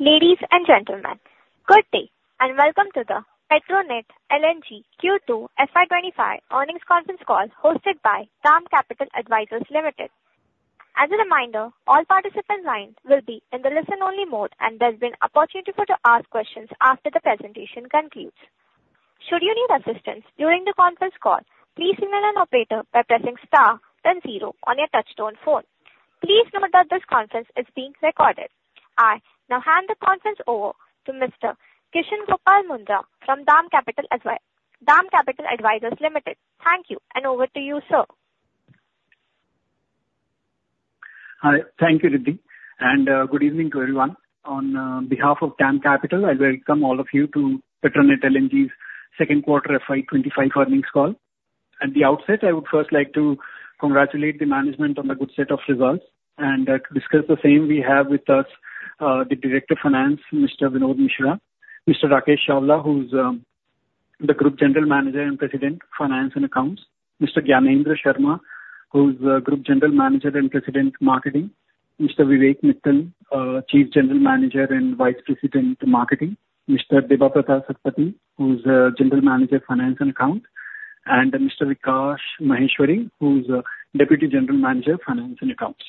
Ladies and gentlemen, good day, and welcome to the Petronet LNG Q2 FY 2025 earnings conference call, hosted by DAM Capital Advisors Limited. As a reminder, all participant lines will be in the listen-only mode, and there's been opportunity for to ask questions after the presentation concludes. Should you need assistance during the conference call, please signal an operator by pressing star then zero on your touchtone phone. Please note that this conference is being recorded. I now hand the conference over to Mr. Kishan Gopal Munjal from DAM Capital Advisors Limited. Thank you, and over to you, sir. Hi. Thank you, Riddhi, and, good evening to everyone. On behalf of DAM Capital, I welcome all of you to Petronet LNG's second quarter FY 2025 earnings call. At the outset, I would first like to congratulate the management on the good set of results, and, to discuss the same, we have with us the Director of Finance, Mr. Vinod Mishra, Mr. Rakesh Chawla, who's the Group General Manager and President, Finance and Accounts, Mr. Gyanendra Sharma, who's Group General Manager and President, Marketing, Mr. Vivek Mittal, Chief General Manager and Vice President, Marketing, Mr. Debabrata Satpathy, who's General Manager, Finance and Accounts, and Mr. Vikas Maheshwari, who's Deputy General Manager, Finance and Accounts.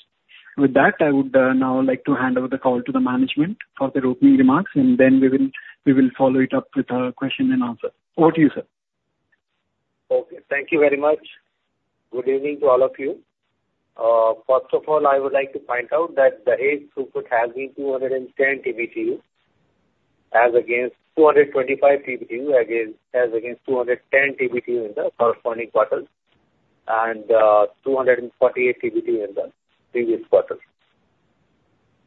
With that, I would now like to hand over the call to the management for their opening remarks, and then we will follow it up with a question and answer. Over to you, sir. Okay, thank you very much. Good evening to all of you. First of all, I would like to point out that the Dahej throughput has been 210 TBTU, as against 225 TBTU, as against 210 TBTU in the corresponding quarter, and 248 TBTU in the previous quarter.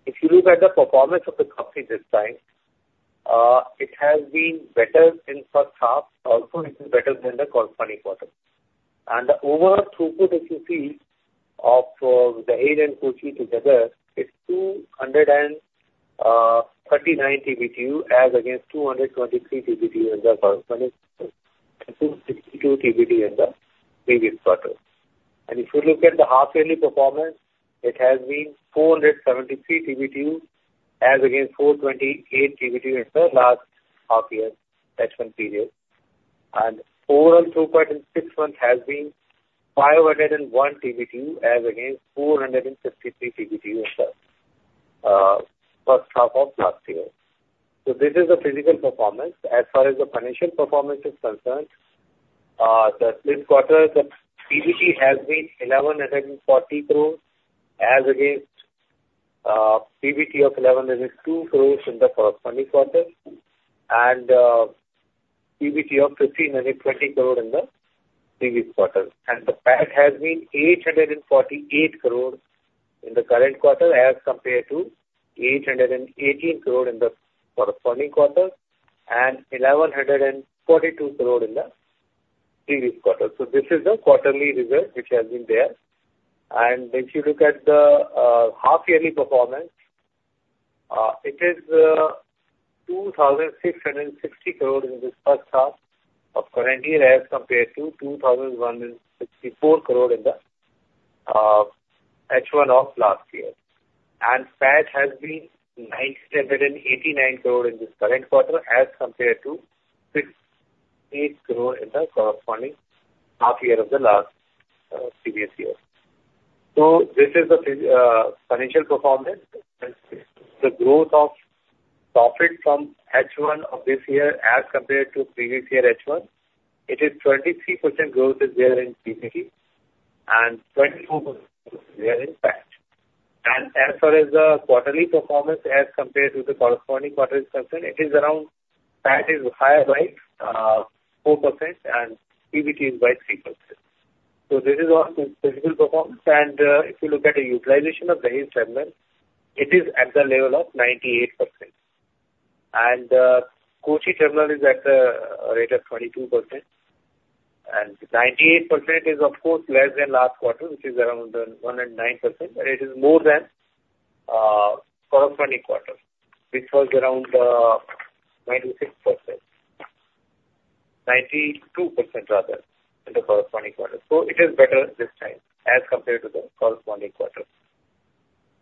If you look at the performance of the company this time, it has been better in first half, also it is better than the corresponding quarter. And the overall throughput that you see of Dahej and Kochi together is 239 TBTU, as against 223 TBTU in the corresponding, and 262 TBTU in the previous quarter. If you look at the half-yearly performance, it has been 473 TBTU, as against 428 TBTU in the last half year H1 period, and overall throughput in six months has been 501 TBTU, as against 453 TBTU in the first half of last year. This is the physical performance. As far as the financial performance is concerned, this quarter, the PBT has been 1,140 crore, as against PBT of 1,102 crore in the corresponding quarter, and PBT of 1,520 crore in the previous quarter. The PAT has been 848 crore in the current quarter, as compared to 818 crore in the corresponding quarter, and 1,142 crore in the previous quarter. This is the quarterly result which has been there. If you look at the half-yearly performance, it is 2,660 crore in this first half of current year, as compared to 2,164 crore in the H1 of last year. PAT has been 989 crore in this current quarter, as compared to 68 crore in the corresponding half year of the last previous year. This is the financial performance. The growth of profit from H1 of this year as compared to previous year H1, it is 23% growth is there in PBT, and 24% there in PAT. As far as the quarterly performance as compared to the corresponding quarter is concerned, it is around. PAT is higher by 4% and PBT is by 3%. This is our physical performance. If you look at the utilization of Dahej terminal, it is at the level of 98%. Kochi terminal is at a rate of 22%. 98% is of course less than last quarter, which is around 109%, but it is more than corresponding quarter, which was around 96%. 92%, rather, in the corresponding quarter. It is better this time as compared to the corresponding quarter.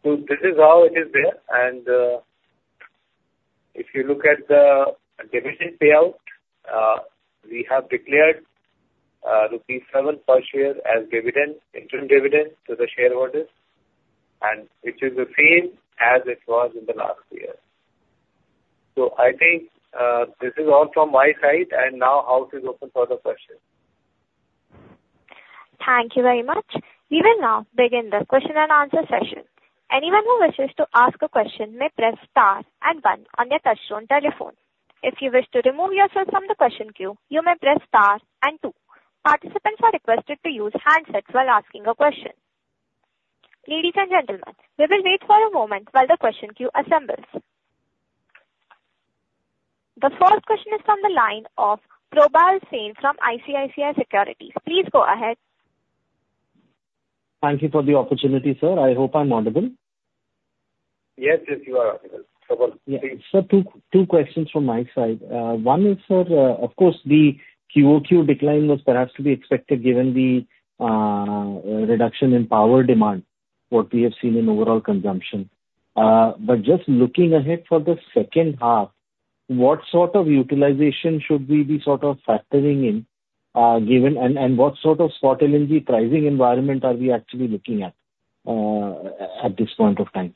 This is how it is there, and if you look at the dividend payout, we have declared rupees 7 per share as dividend, interim dividend to the shareholders, and it is the same as it was in the last year. I think this is all from my side, and now the house is open for the questions. Thank you very much. We will now begin the question and answer session. Anyone who wishes to ask a question may press star and one on their touchtone telephone. If you wish to remove yourself from the question queue, you may press star and two. Participants are requested to use handsets while asking a question. Ladies and gentlemen, we will wait for a moment while the question queue assembles. The first question is from the line of Probal Sen from ICICI Securities. Please go ahead. Thank you for the opportunity, sir. I hope I'm audible? Yes, yes, you are audible. Probal, please. Sir, two questions from my side. One is, of course, the QoQ decline was perhaps to be expected given the reduction in power demand, what we have seen in overall consumption, but just looking ahead for the second half. What sort of utilization should we be sort of factoring in, given, and what sort of spot LNG pricing environment are we actually looking at, at this point of time?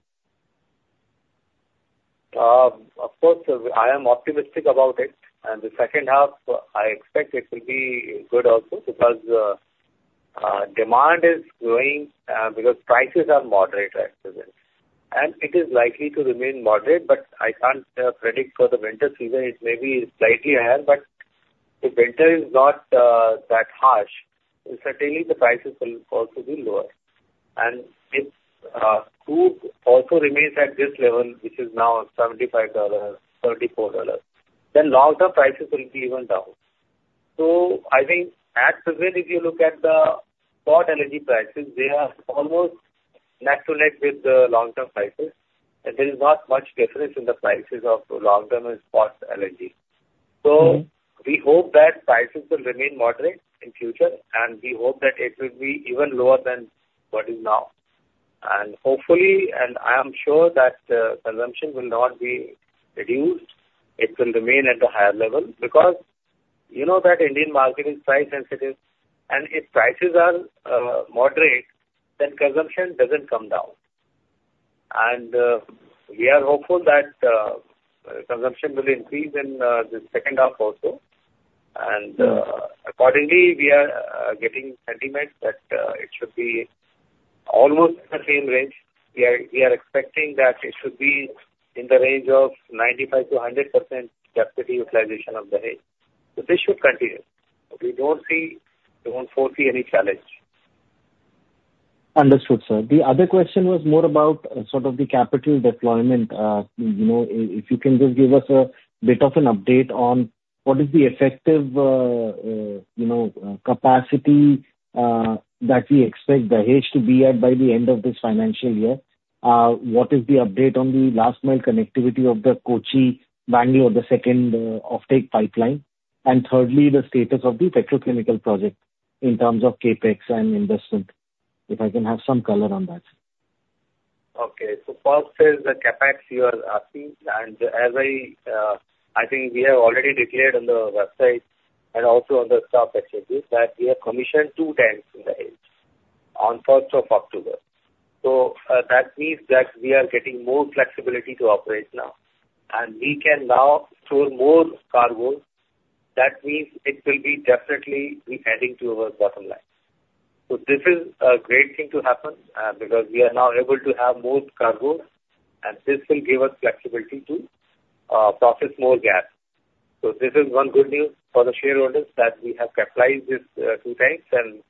Of course, I am optimistic about it, and the second half, I expect it will be good also, because demand is growing, because prices are moderate at present, and it is likely to remain moderate, but I can't predict for the winter season. It may be slightly higher, but the winter is not that harsh. Certainly, the prices will also be lower. And if crude also remains at this level, which is now $75, $74, then long-term prices will be even down. So I think at present, if you look at the spot LNG prices, they are almost neck to neck with the long-term prices, and there is not much difference in the prices of long-term and spot LNG. So we hope that prices will remain moderate in future, and we hope that it will be even lower than what is now. Hopefully, I am sure that the consumption will not be reduced. It will remain at a higher level, because you know that the Indian market is price-sensitive, and if prices are moderate, then consumption doesn't come down. We are hopeful that consumption will increase in the second half also. Accordingly, we are getting sentiment that it should be almost in the same range. We are expecting that it should be in the range of 95%-100% capacity utilization of Dahej. So this should continue. We don't see. We won't foresee any challenge. Understood, sir. The other question was more about sort of the capital deployment. You know, if you can just give us a bit of an update on what is the effective, you know, capacity that we expect Dahej to be at by the end of this financial year. What is the update on the last mile connectivity of the Kochi-Bangalore, the second offtake pipeline? And thirdly, the status of the petrochemical project in terms of CapEx and investment, if I can have some color on that. Okay. So first is the CapEx you are asking, and as I think we have already declared on the website and also on the stock exchanges, that we have commissioned two tanks in Dahej on first of October. So that means that we are getting more flexibility to operate now, and we can now store more cargo. That means it will definitely be adding to our bottom line. So this is a great thing to happen, because we are now able to have more cargo, and this will give us flexibility to process more gas. So this is one good news for the shareholders, that we have capitalized this two tanks and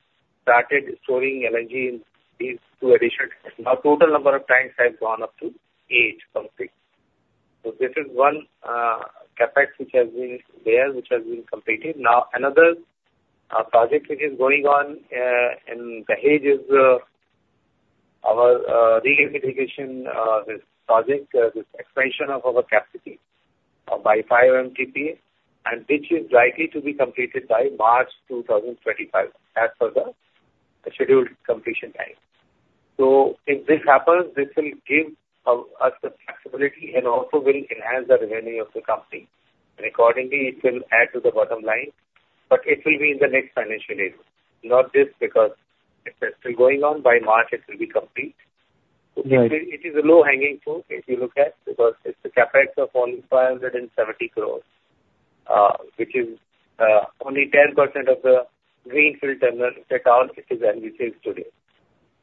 started storing LNG in these two additional. Our total number of tanks has gone up to eight complete. This is one CapEx which has been there, which has been completed. Now, another project which is going on in Dahej is our Regasification this project this expansion of our capacity by five MTPA, and which is likely to be completed by March 2025, as per the scheduled completion time. If this happens, this will give us the flexibility and also will enhance the revenue of the company. Accordingly, it will add to the bottom line, but it will be in the next financial year, not this, because it's still going on. By March, it will be complete. Right. It is a low-hanging fruit, if you look at, because it's a CapEx of only 570 crore, which is only 10% of the greenfield terminal that all it is as we say today.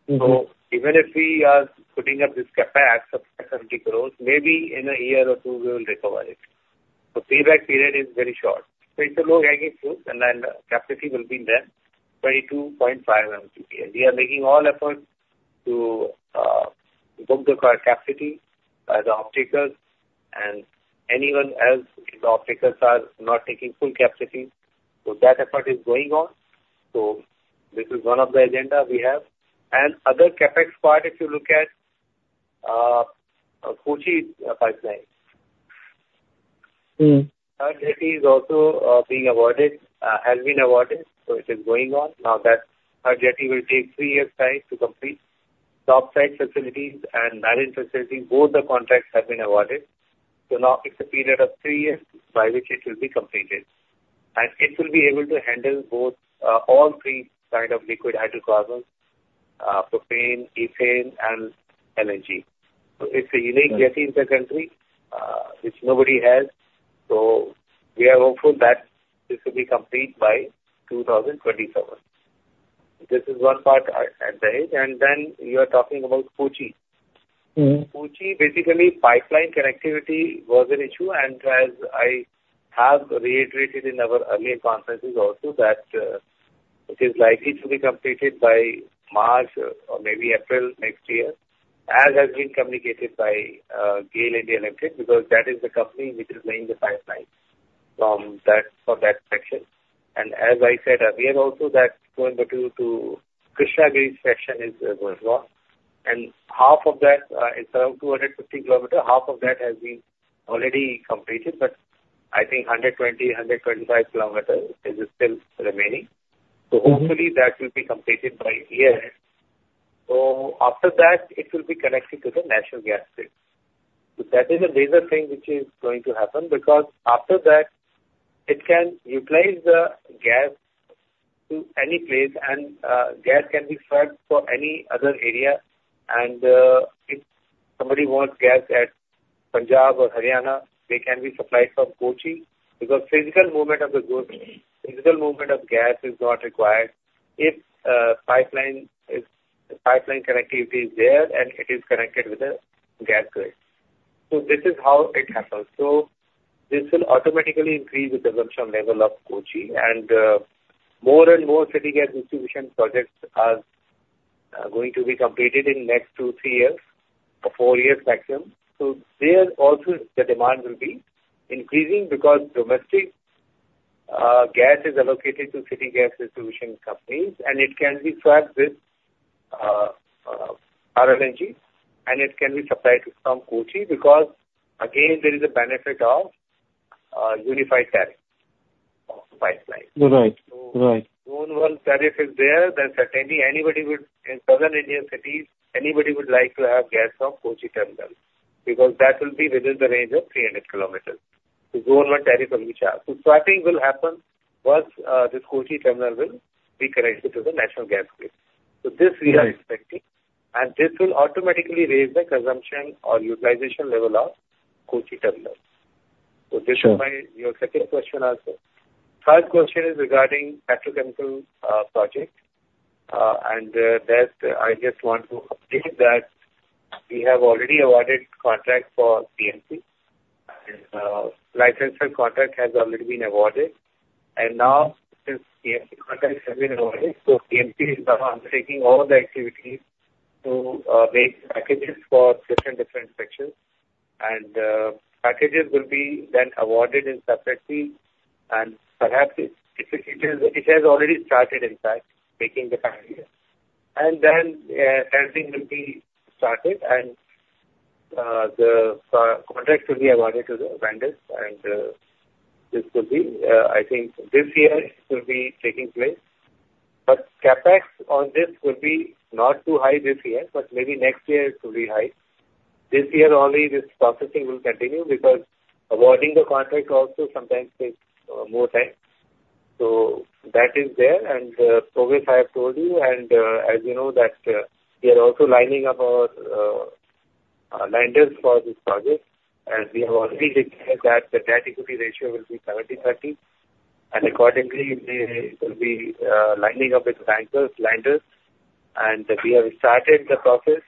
Mm-hmm. So even if we are putting up this CapEx of 70 crore, maybe in a year or two, we will recover it. The payback period is very short, so it's a low-hanging fruit, and then capacity will be there, 22.5 MTPA. We are making all efforts to book the current capacity by the off-takers and anyone else if the off-takers are not taking full capacity. So that effort is going on. So this is one of the agenda we have. And other CapEx part, if you look at Kochi pipeline. Mm-hmm. Third jetty is also being awarded, has been awarded, so it is going on. Now, that third jetty will take three years time to complete. The offsite facilities and marine facilities, both the contracts have been awarded. So now it's a period of three years by which it will be completed, and it will be able to handle both, all three side of liquid hydrocarbons, propane, ethane, and LNG. So it's a unique jetty in the country, which nobody has. So we are hopeful that this will be complete by 2027. This is one part at Dahej, and then you are talking about Kochi. Mm-hmm. Kochi, basically, pipeline connectivity was an issue, and as I have reiterated in our earlier conferences also, that it is likely to be completed by March or maybe April next year, as has been communicated by GAIL India Limited, because that is the company which is laying the pipeline from that for that section. And as I said earlier also, that from the Kochi to Krishnagiri section is as well, and half of that, it's around 250 kilometers. Half of that has been already completed, but I think 120-125 kilometers is still remaining. Mm-hmm. So hopefully that will be completed by year end. So after that, it will be connected to the national gas grid. So that is a major thing which is going to happen, because after that, it can utilize the gas to any place, and gas can be fed for any other area, and if somebody wants gas at Punjab or Haryana, they can be supplied from Kochi, because physical movement of gas is not required if pipeline connectivity is there, and it is connected with the gas grid. So this is how it happens. So this will automatically increase the consumption level of Kochi, and more and more city gas distribution projects are going to be completed in next two, three years or four years maximum. So there also, the demand will be increasing because domestic gas is allocated to city gas distribution companies, and it can be tracked with RLNG, and it can be supplied from Kochi, because again, there is a benefit of unified tariff of pipeline. Right. Right. So once tariff is there, then certainly anybody would in southern Indian cities like to have gas from Kochi terminal, because that will be within the range of 300 km, the government tariff will be charged. So swapping will happen once this Kochi terminal will be connected to the national gas grid. Right. So this we are expecting, and this will automatically raise the consumption or utilization level of Kochi terminal. So this should be your second question also. Third question is regarding petrochemical project. And that I just want to update that we have already awarded contract for PMC, and licensor contract has already been awarded, and now since PMC contract has been awarded, so PMC is now undertaking all the activities to make packages for different sections. And packages will be then awarded separately, and perhaps it has already started, in fact, making the packages. And then testing will be started, and the contracts will be awarded to the vendors, and this will be, I think this year it will be taking place. But CapEx on this will be not too high this year, but maybe next year it will be high. This year only, this processing will continue because awarding the contract also sometimes takes more time. So that is there, and progress I have told you, and as you know that we are also lining up our lenders for this project, and we have already declared that the debt-to-equity ratio will be 70:30. And accordingly, we will be lining up with bankers, lenders, and we have started the process,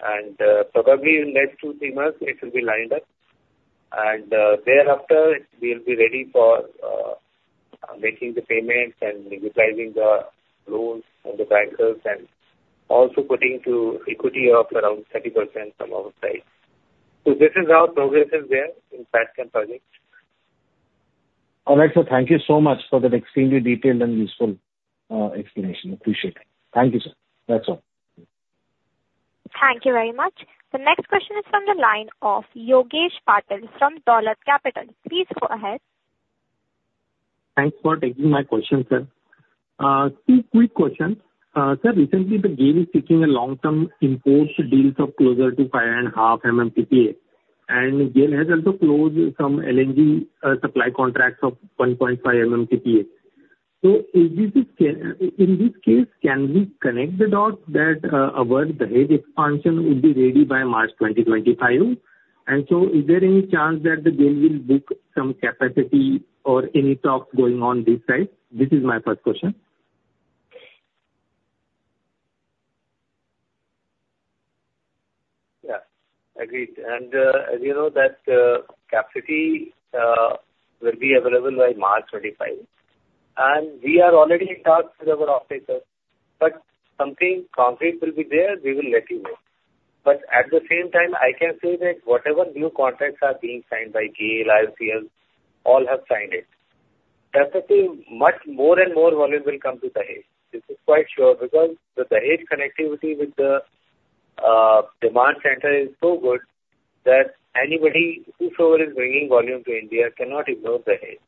and probably in next two, three months, it will be lined up. And thereafter, we'll be ready for making the payments and utilizing the loans from the bankers and also putting to equity of around 30% from our side. So this is how progress is there in Petchem project. All right, sir. Thank you so much for that extremely detailed and useful explanation. Appreciate it. Thank you, sir. That's all. Thank you very much. The next question is from the line of Yogesh Patil from Dolat Capital. Please go ahead. Thanks for taking my question, sir. Two quick questions. Sir, recently the GAIL is seeking a long-term import deals of closer to 5.5 MMTPA, and GAIL has also closed some LNG supply contracts of 1.5 MMTPA. In this case, can we connect the dots that our Dahej expansion will be ready by March 20 2025? And so is there any chance that the GAIL will book some capacity or any talks going on this side? This is my first question. Yes, agreed. And, as you know, that, capacity, will be available by March 2025, and we are already in talks with our off-takers. But something concrete will be there, we will let you know. But at the same time, I can say that whatever new contracts are being signed by GAIL, IOCL, all have signed it. Definitely, much more and more volume will come to Dahej. This is quite sure, because the Dahej connectivity with the, demand center is so good, that anybody, whosoever is bringing volume to India, cannot ignore Dahej,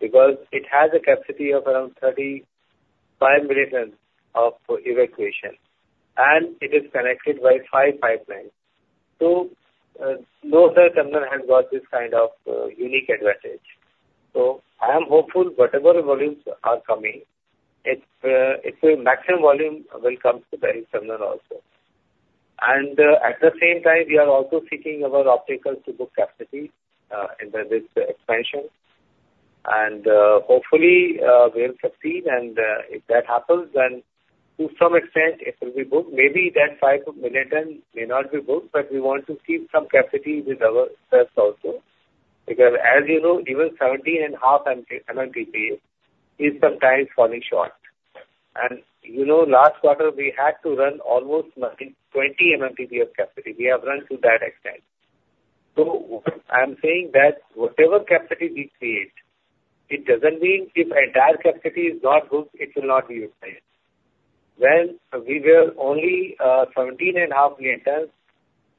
because it has a capacity of around 25 million tons of evacuation, and it is connected by five pipelines. So, no other terminal has got this kind of, unique advantage. So I am hopeful whatever volumes are coming, it's, it's a maximum volume will come to the terminal also. At the same time, we are also seeking our off-takers to book capacity in this expansion. Hopefully, we'll succeed, and if that happens, then to some extent it will be booked. Maybe that 5 million ton may not be booked, but we want to keep some capacity with ourselves also. Because as you know, even 17.5 MMTPA is sometimes falling short. And you know, last quarter we had to run almost 19-20 MMTPA of capacity. We have run to that extent. I am saying that whatever capacity we create, it doesn't mean if entire capacity is not booked, it will not be utilized. When we were only 17.5 million tons.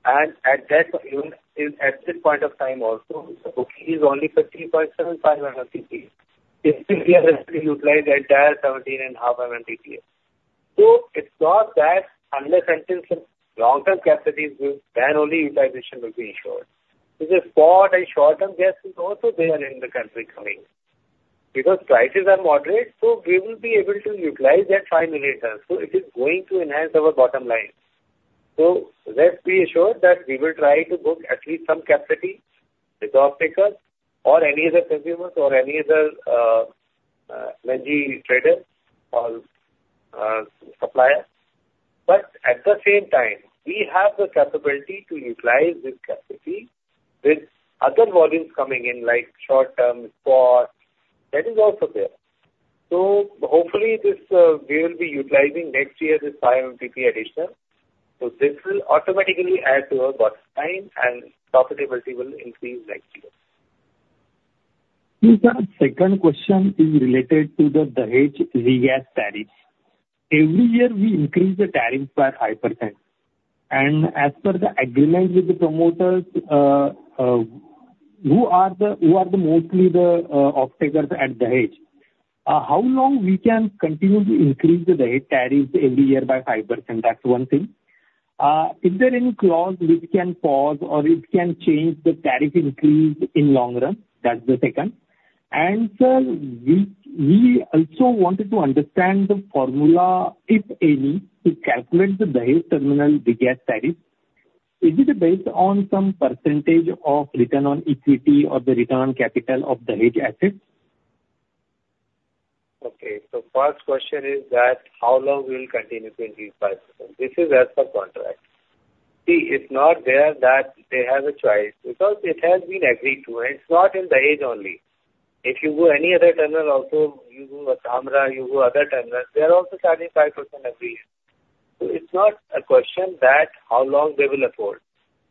At that point, at this point also, the booking is only 50.75 MMTPA. This year, we utilize the entire 17.5 MMTPA, so it's not that unless until some long-term capacity is built, then only utilization will be ensured. Because spot and short-term gas is also there in the country coming. Because prices are moderate, so we will be able to utilize that 5 million tons. So it is going to enhance our bottom line. So rest be assured that we will try to book at least some capacity with off-takers or any other consumers or any other, LNG traders or, suppliers. But at the same time, we have the capability to utilize this capacity with other volumes coming in, like short-term, spot. That is also there. So hopefully, this, we will be utilizing next year, this 5 MMTPA addition. So this will automatically add to our bottom line, and profitability will increase next year. Sir, second question is related to the Dahej Regas tariff. Every year, we increase the tariff by 5%, and as per the agreement with the promoters, who are mostly the off-takers at Dahej. How long can we continue to increase the Dahej tariff every year by 5%? That's one thing. Is there any clause which can pause or it can change the tariff increase in long run? That's the second. And, sir, we also wanted to understand the formula, if any, to calculate the Dahej terminal Regas tariff. Is it based on some percentage of return on equity or the return on capital of Dahej assets? Okay. So first question is that how long we will continue to increase 5%? This is as per contract. See, it's not there that they have a choice, because it has been agreed to, and it's not in Dahej only. If you go any other terminal also, you go at Kamarajar, you go other terminals, they're also charging 5% every year. So it's not a question that how long they will afford.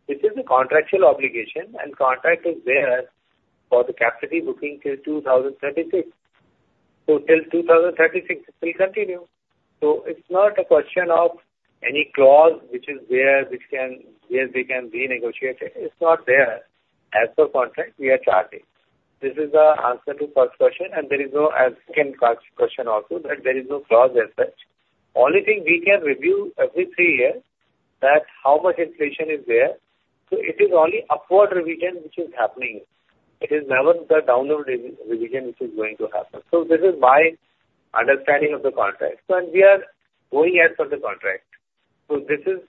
This is a contractual obligation, and contract is there for the capacity booking till two thousand thirty-six. So till two thousand thirty-six, it will continue. So it's not a question of any clause which is there, which can, where we can renegotiate it. It's not there. As per contract, we are charging. This is the answer to first question, and there is no answer to second question also, that there is no clause as such. Only thing we can review every three years, that how much inflation is there, so it is only upward revision which is happening. It is never the downward revision which is going to happen. So this is my understanding of the contract, and we are going as per the contract. So this is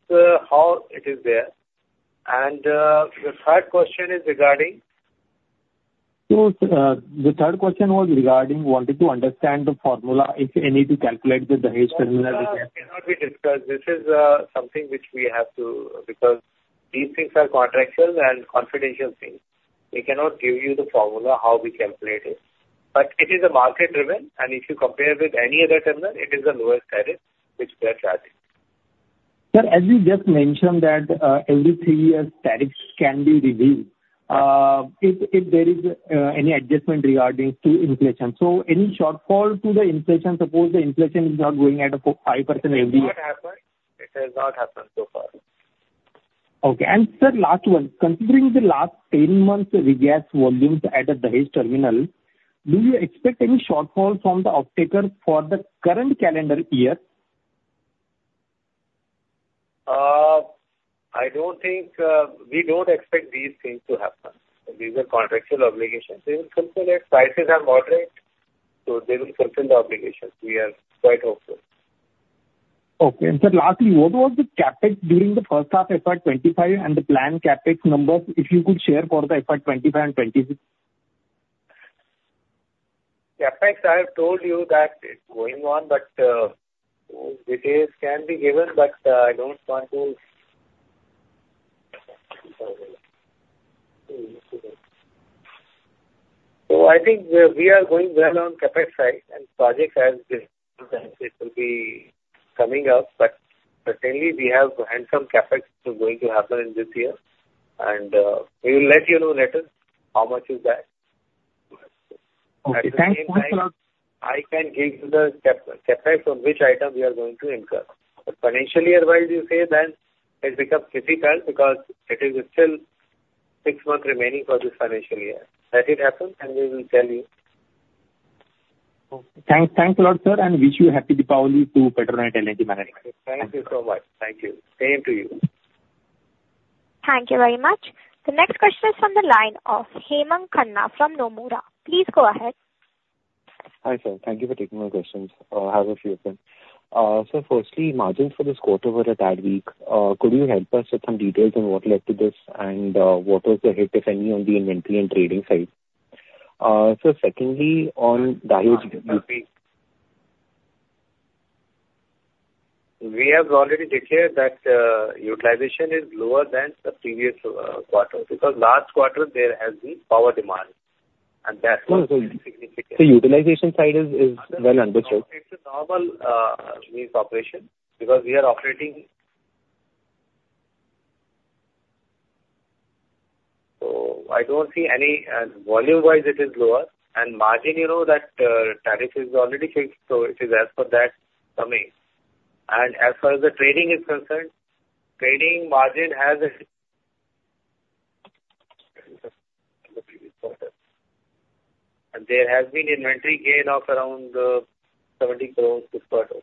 how it is there. And the third question is regarding? The third question was regarding wanting to understand the formula, if any, to calculate the Dahej terminal. That cannot be discussed. This is something which we have to... Because these things are contractual and confidential things. We cannot give you the formula, how we calculate it. But it is a market driven, and if you compare it with any other terminal, it is the lowest tariff which we are charging. Sir, as you just mentioned that, every three years, tariffs can be reviewed, if, if there is, any adjustment regarding to inflation. So any shortfall to the inflation, suppose the inflation is not going at a 5% every year? It has not happened. It has not happened so far. Okay. And sir, last one. Considering the last 10 months Regas volumes at the Dahej terminal, do you expect any shortfall from the off-takers for the current calendar year? I don't think we don't expect these things to happen. These are contractual obligations. They will fulfill it. Prices are moderate, so they will fulfill the obligations. We are quite hopeful. Okay. And sir, lastly, what was the CapEx during the first half FY 2025 and the planned CapEx numbers, if you could share for the FY 2025 and 2026? CapEx, I have told you that it's going on, but details can be given, but I don't want to... So I think we are going well on CapEx side, and projects as it, it will be coming up, but certainly we have handsome CapEx going to happen in this year. And we will let you know later how much is that. Okay. Thanks a lot, sir. I can give you the CapEx, CapEx on which item we are going to incur. But financial year-wise, you say that it becomes difficult because it is still six months remaining for this financial year. Let it happen, and we will tell you. Okay. Thanks. Thanks a lot, sir, and wish you happy Diwali to Petronet LNG management. Thank you so much. Thank you. Same to you. Thank you very much. The next question is from the line of Hemang Khanna from Nomura. Please go ahead. Hi, sir. Thank you for taking my questions. I have a few of them. So firstly, margins for this quarter were a tad weak. Could you help us with some details on what led to this? And, what was the hit, if any, on the inventory and trading side? So secondly, on Dahej- We have already declared that, utilization is lower than the previous, quarter. Because last quarter, there has been power demand, and that was very significant. The utilization side is well understood. It's a normal means operation, because we are operating. So I don't see any volume-wise it is lower, and margin, you know that tariff is already fixed, so it is as per that coming. And as far as the trading is concerned, trading margin has a. And there has been inventory gain of around 70 crore this quarter,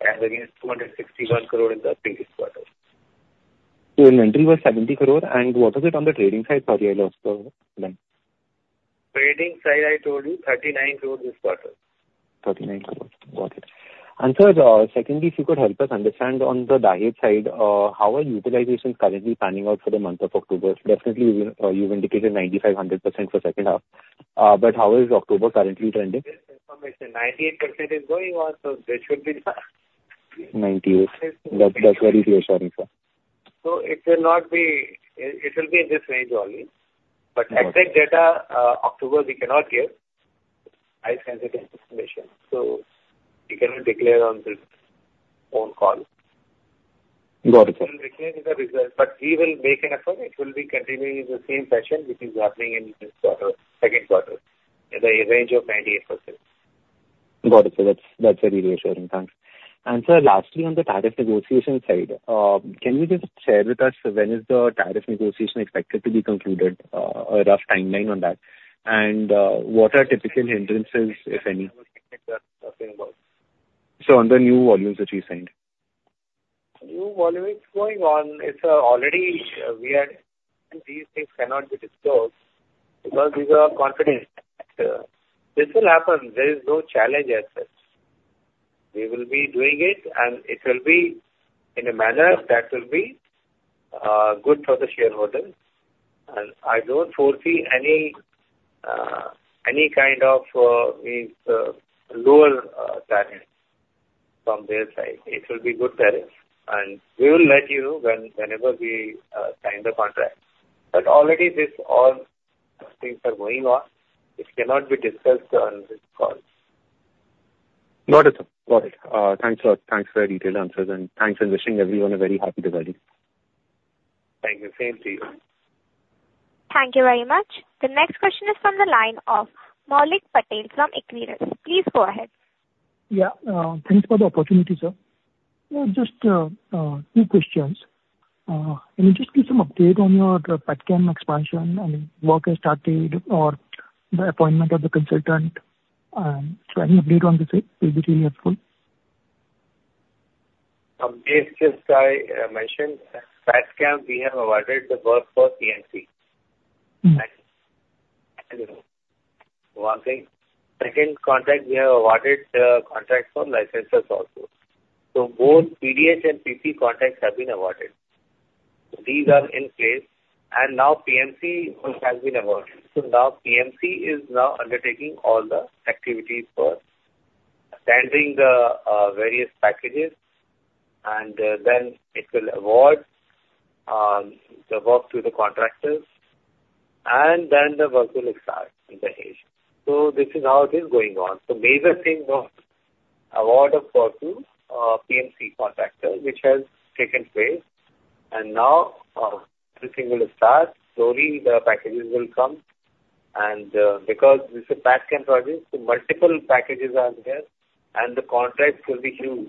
as against 261 crore in the previous quarter. So inventory was 70 crore, and what was it on the trading side? Sorry, I lost the line. Trading side, I told you 39 crore this quarter. 39 crore. Got it. And sir, secondly, if you could help us understand on the Dahej side, how are utilizations currently panning out for the month of October? Definitely, you've indicated 95%-100% for second half. But how is October currently trending? 98% is going on, so there should be 98. That, that's very reassuring, sir. It will not be. It will be in this range only. Got it. But exact data, October, we cannot give. I send it in this situation, so we cannot declare on this phone call. Got it, sir. We will declare the result, but we will make an effort. It will be continuing in the same fashion, which is happening in this quarter, second quarter, in the range of 98%. Got it, sir. That's, that's very reassuring. Thanks. And sir, lastly, on the tariff negotiation side, can you just share with us when is the tariff negotiation expected to be concluded? A rough timeline on that. And, what are typical hindrances, if any? Nothing about. So, on the new volumes that you signed. New volume is going on. It's already. These things cannot be disclosed because these are confidential. This will happen. There is no challenge as such. We will be doing it, and it will be in a manner that will be good for the shareholders, and I don't foresee any kind of lower tariff from their side. It will be good tariff, and we will let you know whenever we sign the contract, but already all things are going on. This cannot be discussed on this call. Got it, sir. Got it. Thanks a lot. Thanks for your detailed answers, and thanks and wishing everyone a very happy Diwali! Thank you. Same to you. Thank you very much. The next question is from the line of Maulik Patel from Equirus. Please go ahead. Yeah. Thanks for the opportunity, sir. Yeah, just two questions. Can you just give some update on your Petchem expansion, and work has started or the appointment of the consultant, so any update on this will be really helpful. Just as I mentioned, Petchem, we have awarded the work for PMC. Hmm. Working. Second contract, we have awarded contract for licenses also. So both PDH and PP contracts have been awarded. These are in place, and now PMC also has been awarded. So now PMC is now undertaking all the activities for sending the various packages, and then it will award the work to the contractors, and then the work will start in Dahej. So this is now. This is going on. The major thing was award of work to PMC contractor, which has taken place, and now everything will start. Slowly, the packages will come, and because this is a Petchem project, so multiple packages are there, and the contracts will be huge.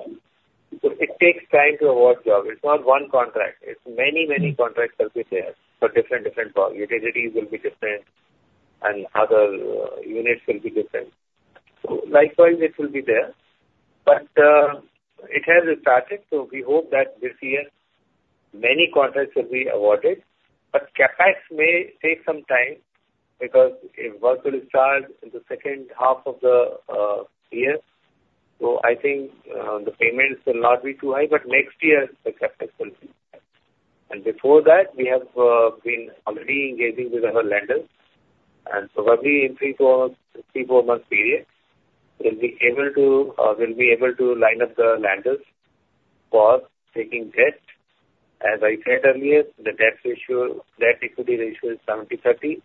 So it takes time to award job. It's not one contract. It's many, many contracts will be there for different, different projects. Utilities will be different, and other units will be different. So likewise, this will be there. It has started, so we hope that this year many contracts will be awarded. CapEx may take some time because if work will start in the second half of the year, so I think the payments will not be too high, but next year, the CapEx will be. Before that, we have been already engaging with our lenders, and probably in three or four months period, we'll be able to line up the lenders for taking debt. As I said earlier, the debt ratio, debt-equity ratio is seventy-thirty,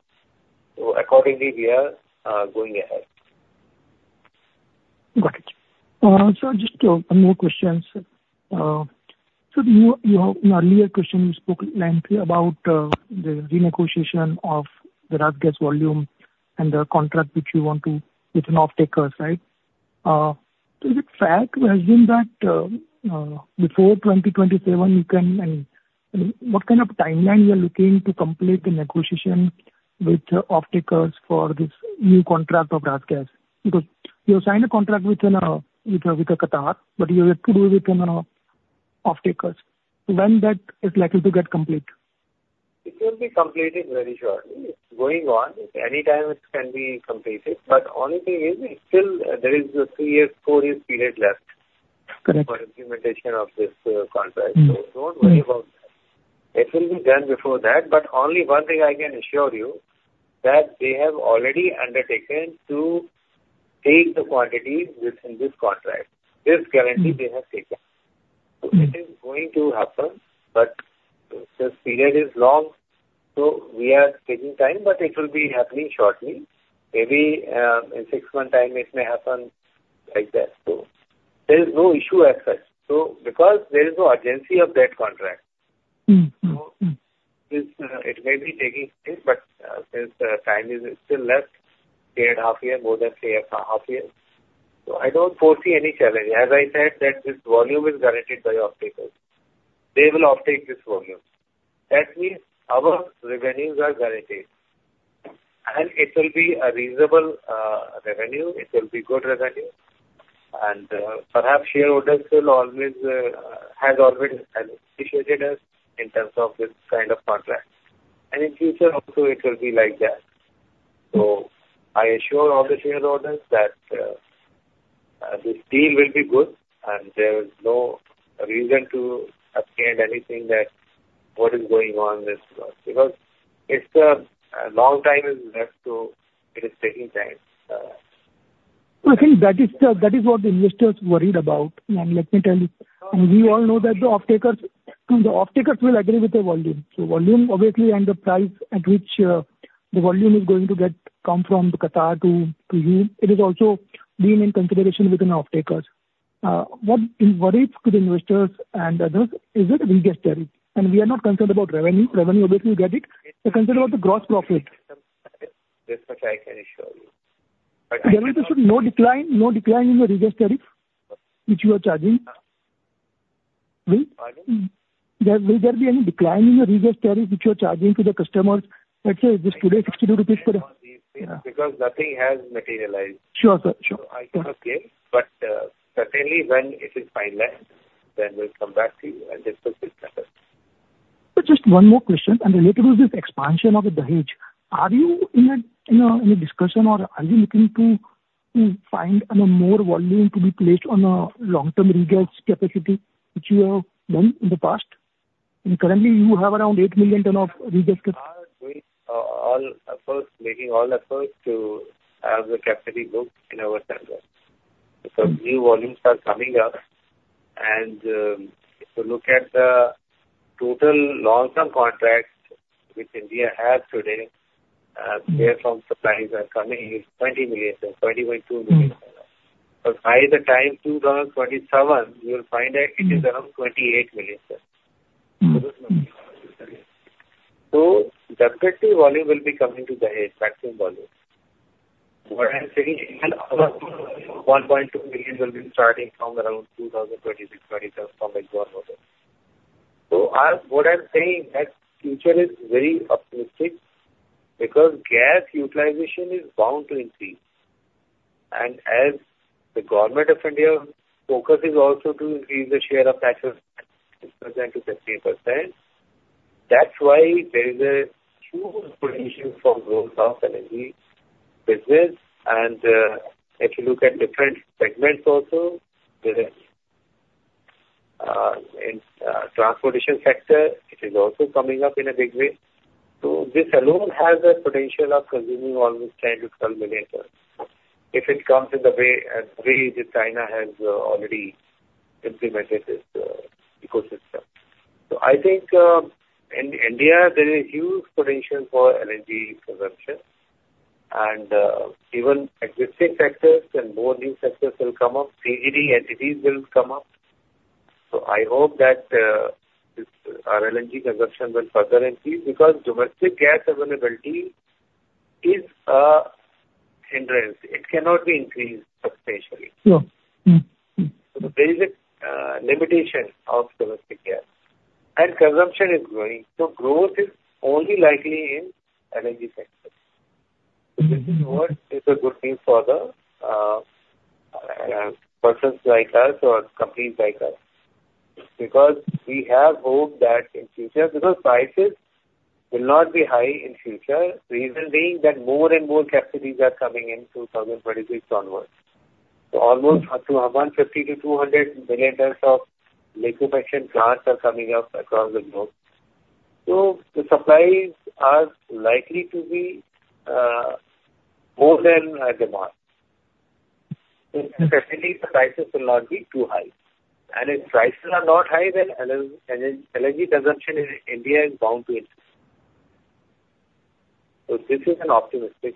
so accordingly, we are going ahead. Got it. Sir, just one more questions. So you in earlier question, you spoke lengthy about the renegotiation of the RasGas volume and the contract which you want to with an off-takers, right? Is it fact, we assume that before 2027, you can. And what kind of timeline you are looking to complete the negotiation with off-takers for this new contract of RasGas? Because you have signed a contract with Qatar, but you have to do with an off-takers. When that is likely to get complete? It will be completed very shortly. It's going on. Anytime it can be completed, but only thing is, it's still, there is a three-year, four-year period left- Correct... for implementation of this, contract. Mm-hmm. Mm-hmm. So don't worry about that. It will be done before that, but only one thing I can assure you, that they have already undertaken to take the quantity within this contract. This guarantee they have taken. Mm-hmm. It is going to happen, but the period is long, so we are taking time, but it will be happening shortly. Maybe, in six-month time, it may happen like that. There is no issue as such. So because there is no urgency of that contract. Mm-hmm. Mm-hmm. So this, it may be taking time, but since the time is still left, three and a half year, more than three and a half years, so I don't foresee any challenge. As I said, that this volume is guaranteed by the off-takers. They will offtake this volume. That means our revenues are guaranteed, and it will be a reasonable revenue, it will be good revenue. And perhaps shareholders will always has appreciated us in terms of this kind of contract. And in future also, it will be like that. So I assure all the shareholders that this deal will be good, and there is no reason to apprehend anything that what is going on this, because it's a long time is left, so it is taking time. I think that is what the investors worried about. And let me tell you, and we all know that the off-takers, so the off-takers will agree with the volume. So volume obviously, and the price at which the volume is going to come from Qatar to you, it is also being in consideration with an off-takers. What worries to the investors and others is it Regas tariff? And we are not concerned about revenue. Revenue obviously we get it. We're concerned about the gross profit. This much I can assure you. There is no decline, no decline in the Regas tariff, which you are charging? Pardon? Will there be any decline in the Regas tariff, which you are charging to the customers, let's say today, 62 rupees per...? Because nothing has materialized. Sure, sir. Sure. I cannot say, but certainly when it is finalized, then we'll come back to you and discuss this matter. Sir, just one more question, and related to this expansion of the Dahej. Are you in a discussion or are you looking to find, you know, more volume to be placed on a long-term Regas capacity, which you have done in the past? And currently you have around 8 million ton of Regas capacity. Making all efforts to have the capacity booked in our center. Because new volumes are coming up, and if you look at the total long-term contracts which India has today, share from suppliers are coming in 20 million tonnes, 21.2 million tonnes. But by the time 2027, you will find that it is around 28 million tonnes. Mm-hmm. So definitely volume will be coming to Dahej, maximum volume. What I'm saying, 1.2 million will be starting from around 2026, 2027 from. So I, what I'm saying, that future is very optimistic because gas utilization is bound to increase. And as the government of India focus is also to increase the share of natural gas from 6% to 15%, that's why there is a huge potential for growth of LNG business. And if you look at different segments also, there is in transportation sector, it is also coming up in a big way. So this alone has a potential of consuming almost 10 million-12 million ton, if it comes in the way, as way that China has already implemented this ecosystem. So I think in India, there is huge potential for LNG consumption. Even existing sectors and more new sectors will come up, CGD, entities will come up. So I hope that this, our LNG consumption will further increase because domestic gas availability is a hindrance. It cannot be increased substantially. Sure. So there is a limitation of domestic gas, and consumption is growing, so growth is only likely in LNG sector. Mm-hmm. This is what is a good thing for the persons like us or companies like us. Because we have hope that in future, because prices will not be high in future, reason being that more and more capacities are coming in 2023 onwards. So almost up to $150 billion-$200 billion of liquefaction plants are coming up across the globe. So the supplies are likely to be more than our demand. Mm-hmm. So definitely, the prices will not be too high. And if prices are not high, then LNG, LNG, LNG consumption in India is bound to increase. So this is an optimistic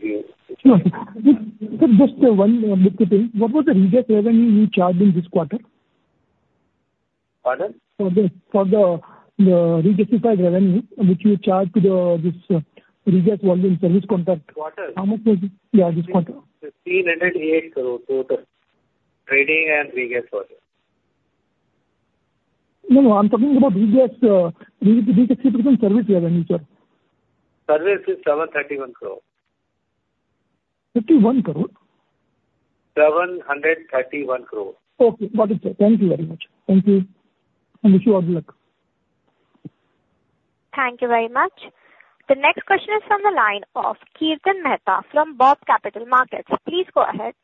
view. Just one quick thing. What was the Regas revenue you charged in this quarter? Pardon? For the Regasified revenue, which you charged to this Regas volume service contract. Quarter? Yeah, this quarter. INR 1,508 crore total. Trading and Regas volume. No, no, I'm talking about Regas, Regasification service revenue charge. Sales is INR 731 crore. Fifty-one crore? INR 731 crore. Okay, got it, sir. Thank you very much. Thank you. I wish you all the luck. Thank you very much. The next question is from the line of Kirtan Mehta from BOB Capital Markets. Please go ahead.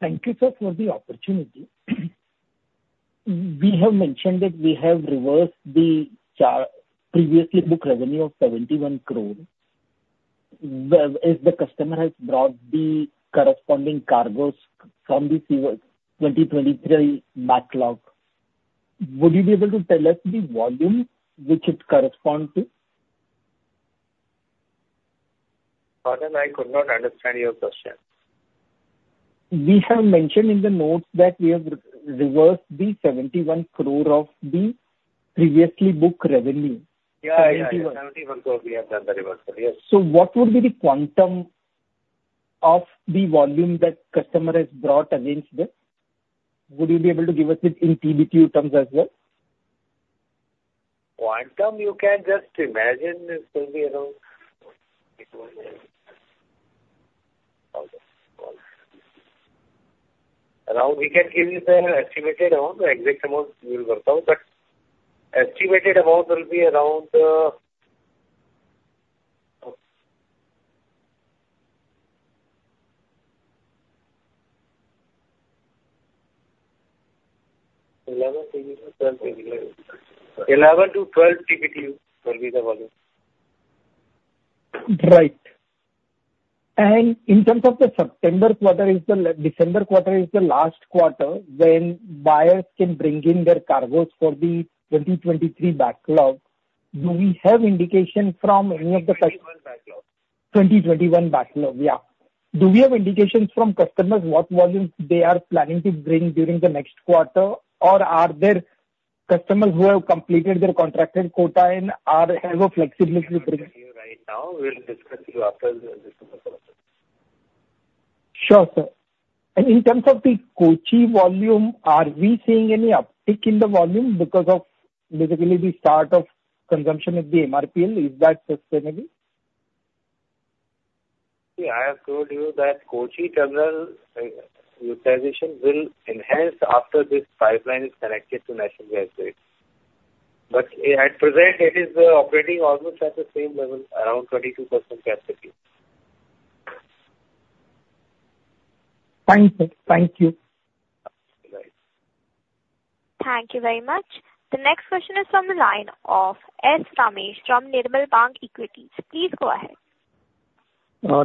Thank you, sir, for the opportunity. We have mentioned that we have reversed the previously booked revenue of 71 crore. Well, if the customer has bought the corresponding cargoes from the FY 2023 backlog, would you be able to tell us the volume which it corresponds to?... Pardon? I could not understand your question. We have mentioned in the notes that we have reversed the 71 crore of the previously booked revenue. Yeah, yeah, 71 crore, we have done the reversal. Yes. So what would be the quantum of the volume that customer has brought against this? Would you be able to give us it in TBTU terms as well? Quantum, you can just imagine it will be around, we can give you the estimated amount. The exact amount we will work out, but estimated amount will be around, 11-12 TBTU, 11-12 TBTU will be the volume. Right. And in terms of the September quarter, is the December quarter the last quarter when buyers can bring in their cargoes for the 2023 backlog. Do we have indication from any of the- 2021 backlog. 2021 backlog, yeah. Do we have indications from customers what volumes they are planning to bring during the next quarter? Or are there customers who have completed their contracted quota and have a flexibility to bring? Right now, we'll discuss you after the December quarter. Sure, sir. And in terms of the Kochi volume, are we seeing any uptick in the volume because of basically the start of consumption of the MRPL? Is that sustainable? See, I have told you that Kochi terminal utilization will enhance after this pipeline is connected to national gas grid. But at present, it is operating almost at the same level, around 22% capacity. Thank you. Thank you. Right. Thank you very much. The next question is from the line of S. Ramesh from Nirmal Bang Equities. Please go ahead.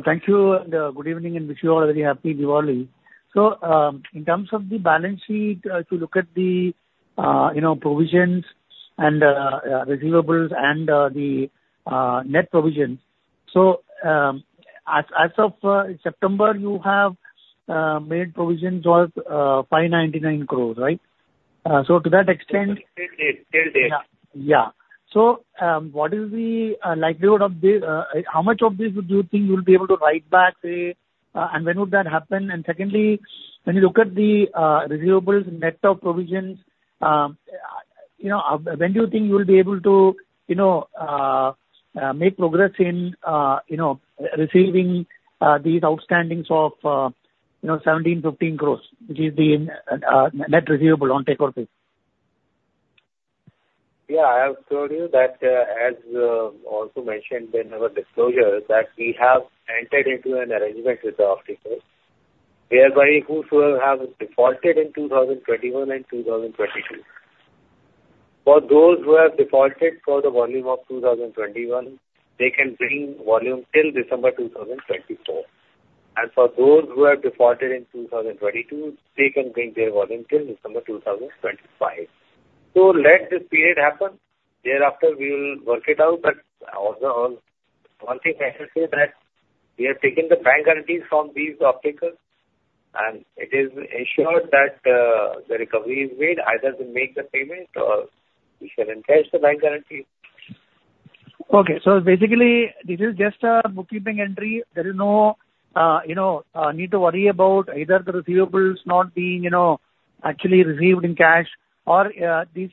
Thank you, and good evening, and wish you all a very happy Diwali. So, in terms of the balance sheet, if you look at the, you know, provisions and, receivables, and, the, net provisions. So, as of September, you have made provisions worth 599 crores, right? So to that extent- Till date. Yeah. Yeah. So, what is the likelihood of this... how much of this would you think you'll be able to write back, say, and when would that happen? And secondly, when you look at the receivables net of provisions, you know, when do you think you'll be able to, you know, make progress in, you know, receiving these outstandings of, you know, 17, 15 crores, which is the net receivable on take-or-pay? Yeah, I have told you that, as also mentioned in our disclosures, that we have entered into an arrangement with the off-takers, whereby those who have defaulted in 2021 and 2022. For those who have defaulted for the volume of 2021, they can bring volume till December 2024, and for those who have defaulted in 2022, they can bring their volume till December 2025. So let this period happen. Thereafter, we will work it out. But also, one thing I can say that we have taken the bank guarantees from these off-takers, and it is ensured that the recovery is made. Either they make the payment or we shall encash the bank guarantee. Okay. So basically, this is just a bookkeeping entry. There is no, you know, need to worry about either the receivables not being, you know, actually received in cash or, these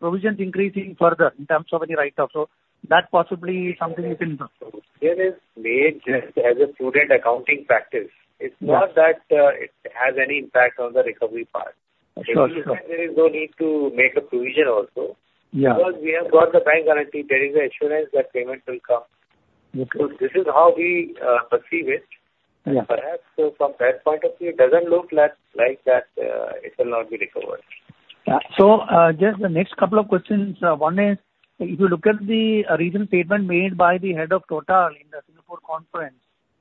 provisions increasing further in terms of any write-off. So that possibly is something you can confirm. This is made just as a prudent accounting practice. Yeah. It's not that, it has any impact on the recovery part. Sure, sure. There is no need to make a provision also. Yeah. Because we have got the bank guarantee, there is an assurance that payment will come. Okay. So this is how we perceive it. Yeah. Perhaps from that point of view, it doesn't look like that it will not be recovered. Just the next couple of questions. One is, if you look at the recent statement made by the head of Total in the Singapore conference,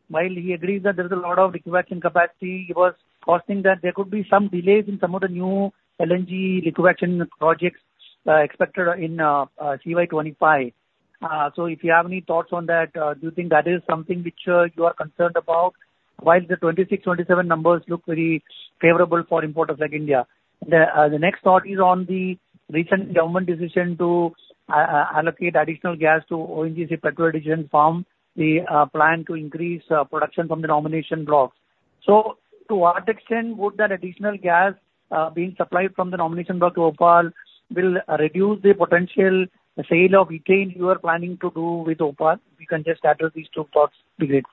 while he agrees that there is a lot of liquefaction capacity, he was cautioning that there could be some delays in some of the new LNG liquefaction projects expected in CY 2025. If you have any thoughts on that, do you think that is something which you are concerned about, while the 2026, 2027 numbers look very favorable for importers like India? The next thought is on the recent government decision to allocate additional gas to ONGC Petro additions from the plan to increase production from the nomination blocks. So to what extent would that additional gas, being supplied from the nomination block to OPaL will reduce the potential sale of ethane you are planning to do with OPaL? If you can just address these two thoughts, be great.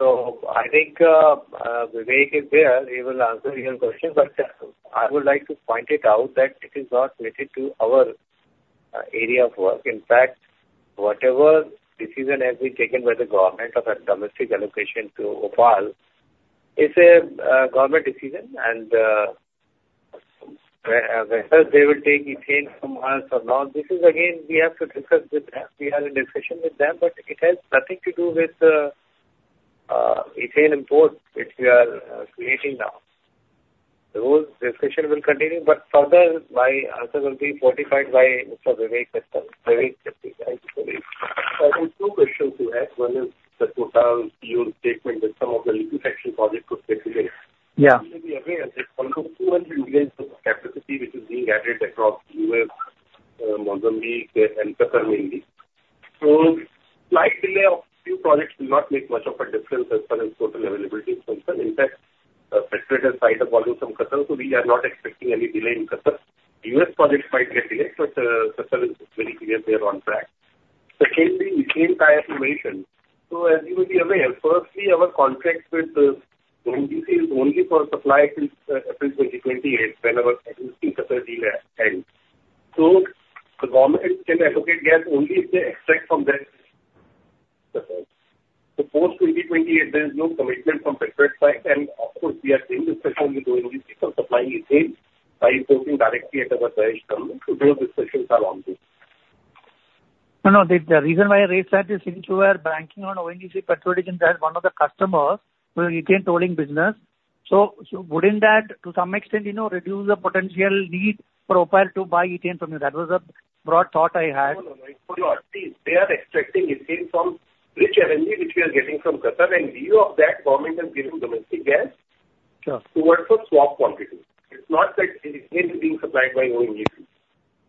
I think Vivek is there. He will answer your question, but I would like to point it out that it is not related to our area of work. In fact, whatever decision has been taken by the government of a domestic allocation to OPaL is a government decision and whether they will take ethane from us or not, this is again, we have to discuss with them. We have a discussion with them, but it has nothing to do with ethane import, which we are creating now. Those discussion will continue, but further, my answer will be fortified by Mr. Vivek Mittal. Vivek Mittal, right, Vivek? I think two questions you had. One is the Total your statement that some of the liquefaction projects could get delayed. Yeah. You may be aware that almost 200 million capacity, which is being added across U.S., Mozambique, and Qatar mainly. So slight delay of few projects will not make much of a difference as far as total availability is concerned. In fact, Petronet has signed a volume from Qatar, so we are not expecting any delay in Qatar. U.S. projects might get delayed, but, Qatar is very clear they are on track. Secondly, ethane, as you mentioned, so as you will be aware, firstly, our contract with, ONGC is only for supply till, April 2028, when our existing Qatar deal ends. So the government can allocate gas only if they extract from that Qatar. So post 2028, there is no commitment from Petronet's side, and of course, we are in discussion with ONGC for supplying ethane by importing directly at our Dahej terminal. So those discussions are ongoing. No, no, the reason why I raised that is since you are banking on OPaL as one of the customers for ethane tolling business. So, wouldn't that, to some extent, you know, reduce the potential need for OPaL to buy ethane from you? That was a broad thought I had. No, no, no. They are extracting ethane from rich LNG, which we are getting from Qatar. In lieu of that, government has given domestic gas. Sure. Towards the swap quantity. It's not that ethane is being supplied by ONGC.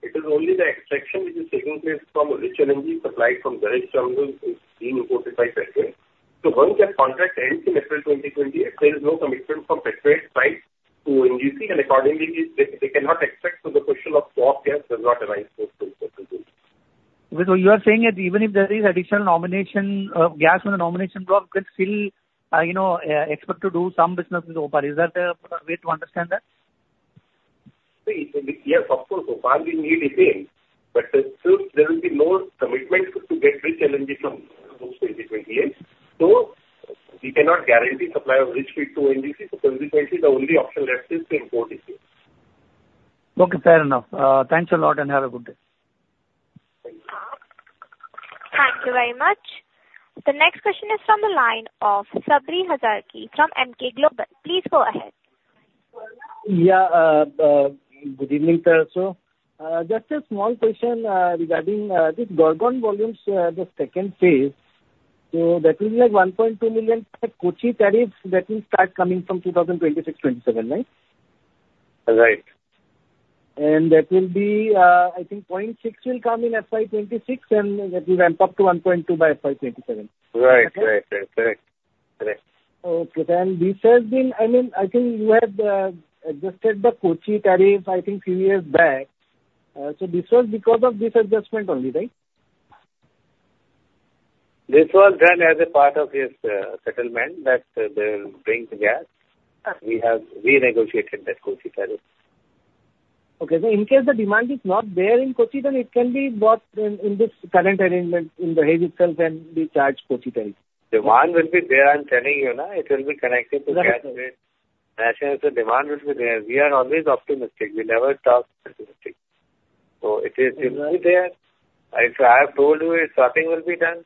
It is only the extraction which is taking place from rich LNG supplied from Dahej terminal is being imported by Petronet. So once that contract ends in April 2028, there is no commitment from Petronet's side to ONGC, and accordingly, they cannot extract, so the question of swap gas does not arise post2028. So you are saying that even if there is additional nomination gas on the nomination block, we can still, you know, expect to do some business with OPaL. Is that the way to understand that? See, yes, of course, OPaL will need ethane, but still there will be no commitment to get rich LNG from post-2028. So we cannot guarantee supply of rich feed to ONGC, so consequently, the only option left is to import ethane. Okay, fair enough. Thanks a lot, and have a good day. Thank you very much. The next question is from the line of Sabri Hazarika from Emkay Global. Please go ahead. Yeah, good evening, sir. So, just a small question regarding this Gorgon volumes, the second phase. So that will be, like, 1.2 million ton Kochi terminal that will start coming from 2026, 2027, right? Right. And that will be, I think, 0.6 will come in FY 2026, and that will ramp up to 1.2 by FY 2027. Right. Correct. Okay, then this has been. I mean, I think you have adjusted the Kochi tariff, I think, three years back. So this was because of this adjustment only, right? This was done as a part of this, settlement that they'll bring the gas. Ah. We have renegotiated that Kochi tariff. In case the demand is not there in Kochi, then it can be bought in this current arrangement in Dahej itself, and we charge Kochi tariff. Demand will be there, I'm telling you, na. It will be connected to gas grid. Yeah. Actually, the demand will be there. We are always optimistic. We never talk pessimistic. So it is. It will be there. So I have told you, swapping will be done.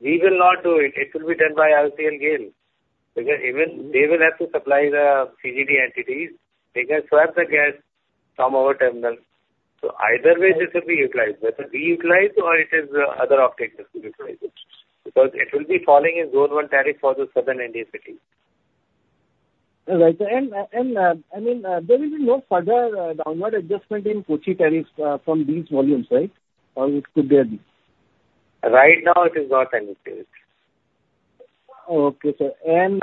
We will not do it. It will be done by IOCL GAIL, because even they will have to supply the CGD entities. They can swap the gas from our terminal. So either way, this will be utilized, whether we utilize or it is, other off-takers to utilize it, because it will be falling in Zone 1 tariff for the southern Indian cities. Right. And, I mean, there will be no further downward adjustment in Kochi tariffs from these volumes, right? Or it could there be? Right now, it is not anticipated. Okay, sir. And,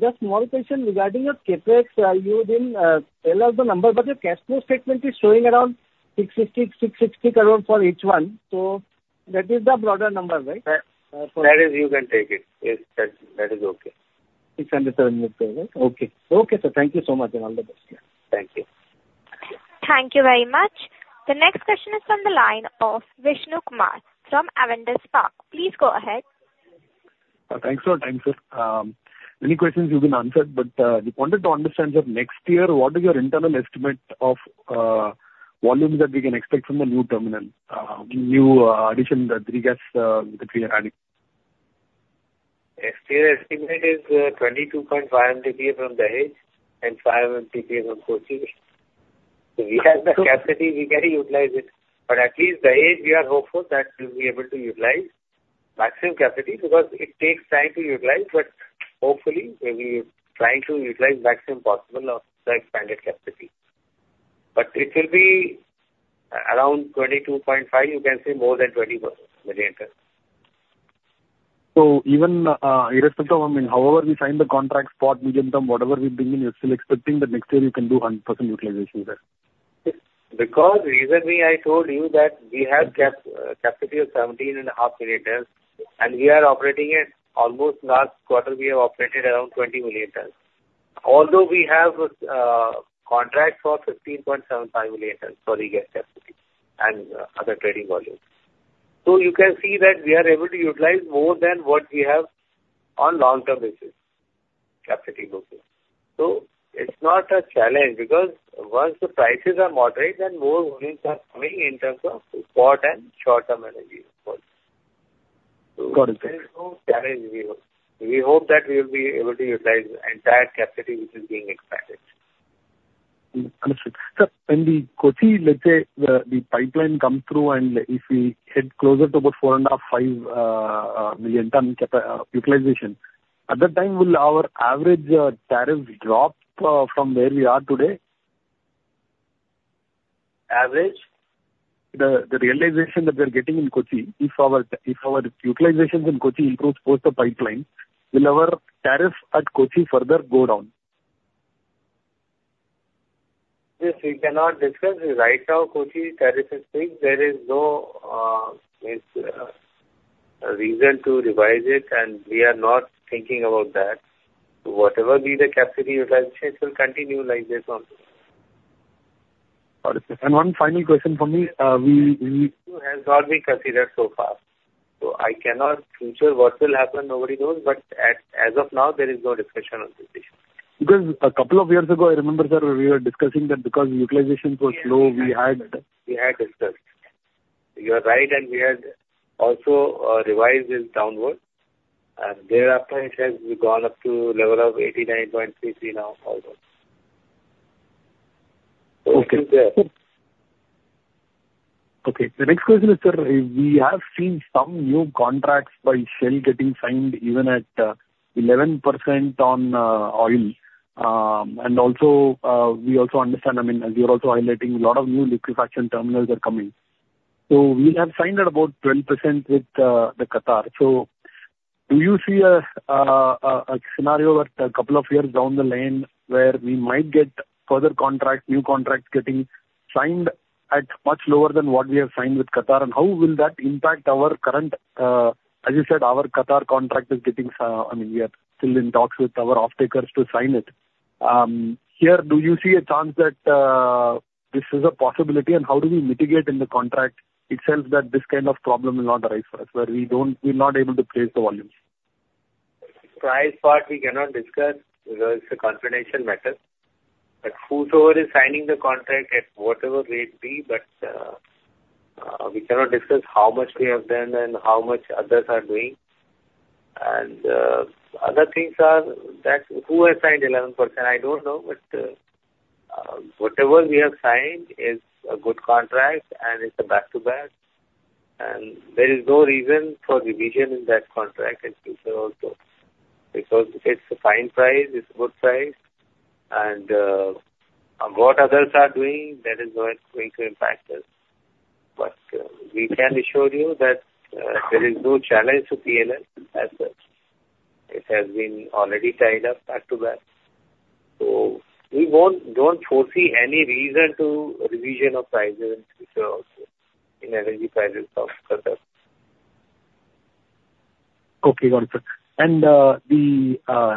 just small question regarding your CapEx. You didn't tell us the number, but your cash flow statement is showing around 650-660 crore for each one. So that is the broader number, right? That is, you can take it. Yes, that is okay. It's under 7 million, okay. Okay, sir. Thank you so much, and all the best. Thank you. Thank you very much. The next question is from the line of Vishnu Kumar from Avendus Spark. Please go ahead. Thanks for your time, sir. Many questions you have answered, but we wanted to understand that next year, what is your internal estimate of volumes that we can expect from the new terminal, the new addition, the third jetty that we are adding? Next year estimate is 22.5 MTPA from Dahej and five MTPA from Kochi. So we have the capacity, we can utilize it, but at least Dahej, we are hopeful that we'll be able to utilize maximum capacity, because it takes time to utilize, but hopefully, we'll be trying to utilize maximum possible of the expanded capacity. But it will be around 22.5. You can say more than 20 million tons. Even, irrespective of, I mean, however we sign the contract, spot, medium-term, whatever we bring in, you're still expecting that next year you can do 100% utilization there? Because recently I told you that we have capacity of 17.5 million tons, and we are operating at almost last quarter, we have operated around 20 million tons. Although we have contract for 15.75 million tons for Regas capacity and other trading volumes. So you can see that we are able to utilize more than what we have on long-term basis, capacity booking. So it's not a challenge, because once the prices are moderate, then more volumes are coming in terms of spot and short-term energy as well. Got it, sir. There is no challenge here. We hope that we will be able to utilize the entire capacity which is being expanded. Understood. Sir, when the Kochi, let's say, the pipeline come through, and if we hit closer to about 4.5, 5 million ton capacity utilization, at that time, will our average tariff drop from where we are today? Average? The realization that we are getting in Kochi, if our utilizations in Kochi improves post the pipeline, will our tariff at Kochi further go down? This we cannot discuss. Right now, Kochi tariff is fixed. There is no reason to revise it, and we are not thinking about that. So whatever be the capacity utilization, it will continue like this only. Got it, sir. And one final question for me, we- Has not been considered so far. So I cannot predict what will happen, nobody knows, but as of now, there is no discussion on this issue. Because a couple of years ago, I remember, sir, we were discussing that because utilization was low, we had- We had discussed. You are right, and we had also revised this downward, and thereafter it has gone up to level of 89.33 now, almost. Okay. It's there. Okay. The next question is, sir, we have seen some new contracts by Shell getting signed even at 11% on oil. And also, we also understand, I mean, as you're also highlighting, a lot of new liquefaction terminals are coming. So we have signed at about 20% with Qatar. So do you see a scenario where a couple of years down the line, where we might get further contracts, new contracts, getting signed at much lower than what we have signed with Qatar? And how will that impact our current... As you said, our Qatar contract is getting I mean, we are still in talks with our off-takers to sign it. Here, do you see a chance that this is a possibility? How do we mitigate in the contract itself, that this kind of problem will not arise for us, where we're not able to place the volumes? Price part, we cannot discuss because it's a confidential matter. But whosoever is signing the contract at whatever rate be, but, we cannot discuss how much we have done and how much others are doing. And, other things are, that who has signed 11%? I don't know, but, whatever we have signed is a good contract, and it's a back-to-back, and there is no reason for revision in that contract in future also, because it's a fine price, it's a good price, and, what others are doing, that is not going to impact us. But, we can assure you that, there is no challenge to P&L as such. It has been already tied up back-to-back, so we don't foresee any reason to revision of prices in future also, in energy prices of Qatar. Okay, got it, sir. And, the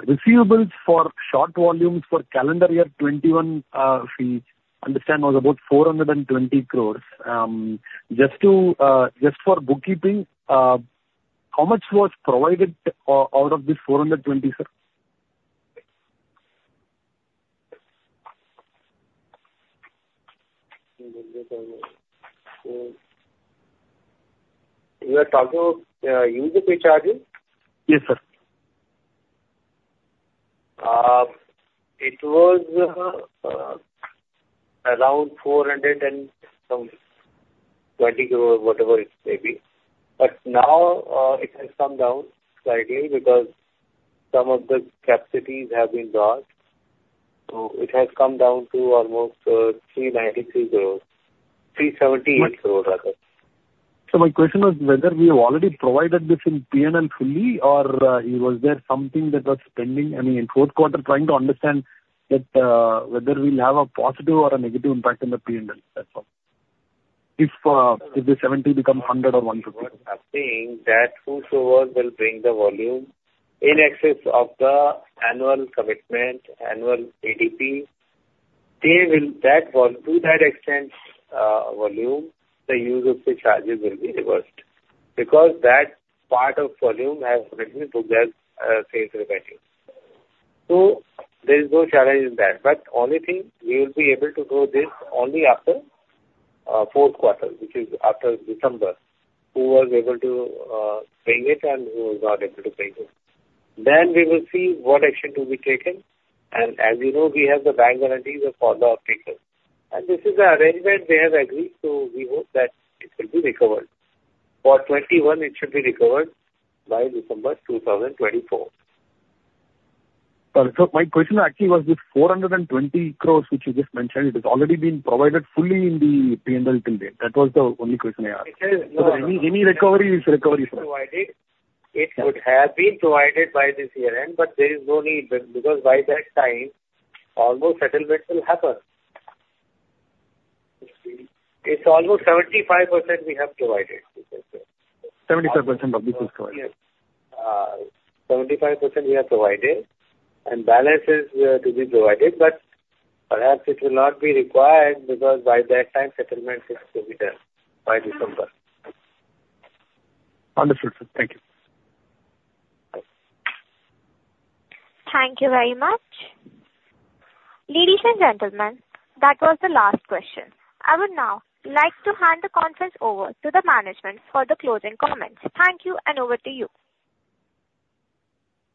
receivables for short volumes for calendar year 2021, if we understand, was about 420 crore. Just to, just for bookkeeping, how much was provided out of this 420 crore, sir? You are talking, usage charges? Yes, sir. It was around four hundred and some 20 crores, whatever it may be. But now it has come down slightly because some of the capacities have been got. So it has come down to almost three ninety-three crores, three seventy-eight crores, rather. So my question was whether we have already provided this in P&L fully, or was there something that was pending, I mean, in fourth quarter? Trying to understand that, whether we'll have a positive or a negative impact on the P&L, that's all. If if the 70 become 100 or 150. What I'm saying, that whosoever will bring the volume in excess of the annual commitment, annual ADP, they will. That volume to that extent, volume, the usage charges will be reversed. Because that part of volume has been to their sales revenue. So there is no challenge in that. But only thing, we will be able to do this only after fourth quarter, which is after December, who was able to pay it and who was not able to pay it. Then we will see what action to be taken, and as you know, we have the bank guarantees for the off-takers. And this is the arrangement they have agreed, so we hope that it will be recovered. For 2021, it should be recovered by December 2024. So my question actually was this 420 crore, which you just mentioned. It has already been provided fully in the P&L to date. That was the only question I asked. It has- Any, any recovery is recovery for us. Provided. It could have been provided by this year end, but there is no need, because by that time, almost settlements will happen. It's almost 75% we have provided. 75% of this is provided? Yes. 75% we have provided, and balance is to be provided, but perhaps it will not be required because by that time, settlements is to be done by December. Wonderful, sir. Thank you. Thank you very much. Ladies and gentlemen, that was the last question. I would now like to hand the conference over to the management for the closing comments. Thank you, and over to you.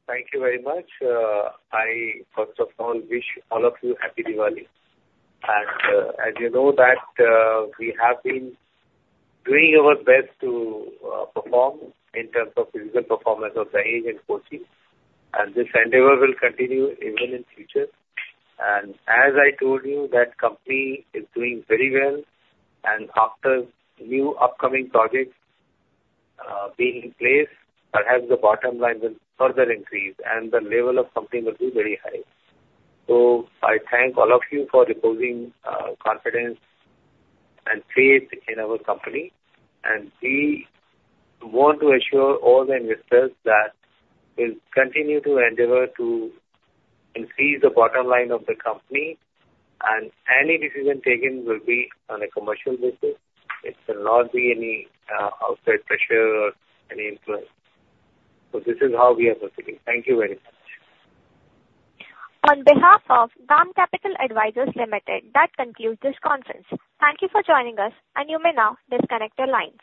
Thank you very much. I first of all wish all of you happy Diwali, and as you know that we have been doing our best to perform in terms of physical performance of Dahej and Kochi, and this endeavor will continue even in future, and as I told you, that company is doing very well, and after new upcoming projects being in place, perhaps the bottom line will further increase, and the level of company will be very high, so I thank all of you for reposing confidence and faith in our company, and we want to assure all the investors that we'll continue to endeavor to increase the bottom line of the company, and any decision taken will be on a commercial basis. It will not be any outside pressure or any influence, so this is how we are proceeding. Thank you very much. On behalf of DAM Capital Advisors Limited, that concludes this conference. Thank you for joining us, and you may now disconnect your line.